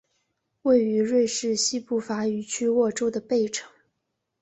位于瑞士西部法语区沃州的贝城。